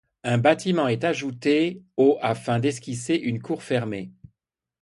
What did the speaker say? Un bâtiment est ajouté au afin d'esquisser une cour fermée.